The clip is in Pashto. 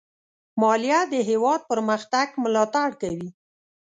مالیه د هېواد پرمختګ ملاتړ کوي.